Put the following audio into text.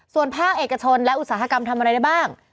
ส่วนภาคเอกชนและอุตสาหกรรมทำอะไรได้บ้าง